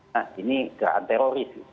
nah ini gerakan teroris